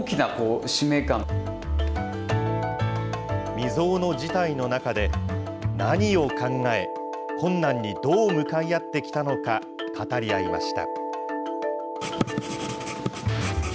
未曽有の事態の中で、何を考え、困難にどう向かい合ってきたのか、語り合いました。